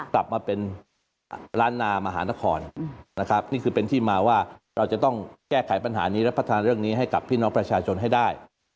กลับมาเป็นล้านนามหานครนะครับนี่คือเป็นที่มาว่าเราจะต้องแก้ไขปัญหานี้และพัฒนาเรื่องนี้ให้กับพี่น้องประชาชนให้ได้